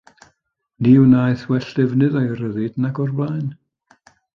Ni wnaeth well defnydd o'i ryddid nag o'r blaen.